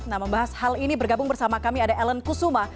nah membahas hal ini bergabung bersama kami ada ellen kusuma